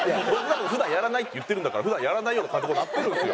普段やらないって言ってるんだから普段やらないような感じになってるんですよ。